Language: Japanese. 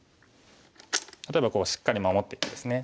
例えばしっかり守っていってですね。